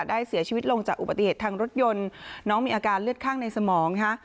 เสียชีวิตลงจากอุบัติเหตุทางรถยนต์น้องมีอาการเลือดข้างในสมองนะคะ